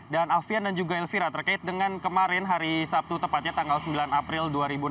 dan alvira dan juga elvira attergate dengan kemarin hari sabtu tepatnya tanggal sembilan april dua ribu enam belas